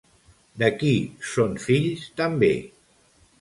De qui són fills també?